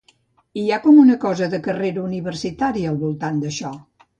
Hi ha com una cosa de carrera universitària al voltant d'això.